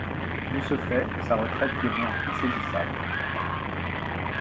De ce fait, sa retraite demeure insaisissable.